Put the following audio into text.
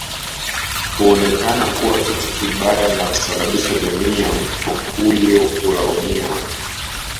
Huonekana kuwa kitu kibaya na kusababisha jamii ya mfu huyo kulaumiwa